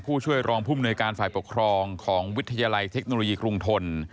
ผู้ช่วยรองภูมิหน่วยการฝ่ายปกครองของวิทยาลัยเทคโนโลยีกรุงทน